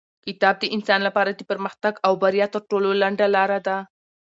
کتاب د انسان لپاره د پرمختګ او بریا تر ټولو لنډه لاره ده.